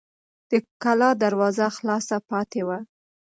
د کلا دروازه خلاصه پاتې وه.